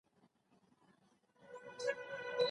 هغه به له ډاره اوږده لاره د اتڼ لپاره ونه وهي.